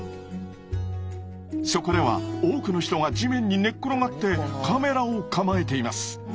そこでは多くの人が地面に寝っ転がってカメラを構えています。